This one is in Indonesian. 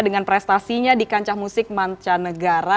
dengan prestasinya di kancah musik mancanegara